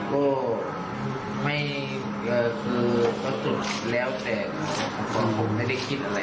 ก็ไม่คือก็สุดแล้วแต่คนผมไม่ได้คิดอะไร